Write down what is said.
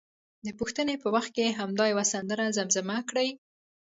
د پوښتنې په وخت کې همدا یوه سندره زمزمه کړي.